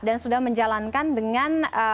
dan sudah menjalankan dengan